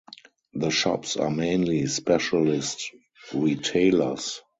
The shops are mainly specialist retailers.